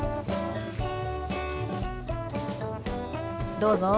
どうぞ。